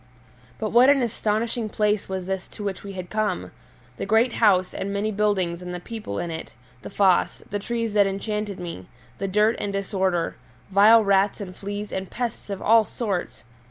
But what an astonishing place was this to which we had come! The great house and many buildings and the people in it, the foss, the trees that enchanted me, the dirt and disorder, vile rats and fleas and pests of all sorts!